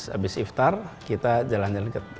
habis iftar kita jalan jalan ke